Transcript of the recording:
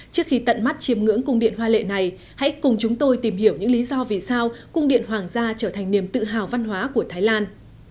trước khi tận mắt chiêm ngưỡng cung điện hoa lệ này hãy cùng chúng tôi tìm hiểu những lý do vì sao cung điện hoàng gia trở thành niềm tự hào văn hóa của thái lan